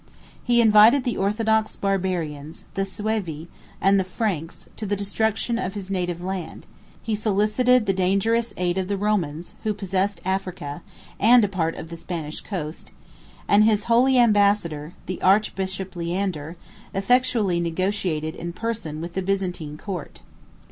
He invited the orthodox Barbarians, the Seuvi, and the Franks, to the destruction of his native land; he solicited the dangerous aid of the Romans, who possessed Africa, and a part of the Spanish coast; and his holy ambassador, the archbishop Leander, effectually negotiated in person with the Byzantine court.